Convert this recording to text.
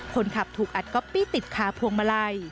คนขับถูกอัดก๊อปปี้ติดคาพวงมาลัย